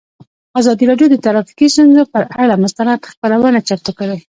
ازادي راډیو د ټرافیکي ستونزې پر اړه مستند خپرونه چمتو کړې.